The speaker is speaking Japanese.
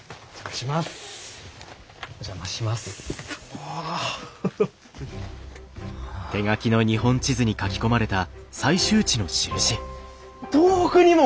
おっ東北にも！？